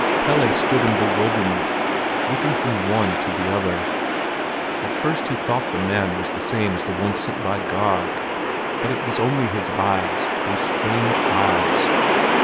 Pelle stood in bewilderment, looking from one to the other. At first he thought that the man was the same as the one sent by God; but it was only his eyes—those strange eyes.